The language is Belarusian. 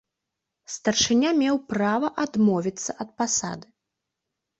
Старшыня меў права адмовіцца ад пасады.